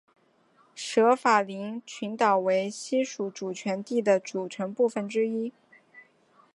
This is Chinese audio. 舍法林群岛为西属主权地的组成部分之一。